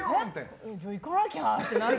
行かなきゃなってなる。